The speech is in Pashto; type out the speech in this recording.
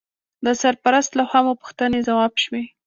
د سرپرست لخوا مو پوښتنې ځواب شوې.